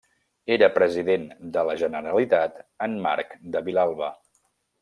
Era President de la Generalitat en Marc de Vilalba.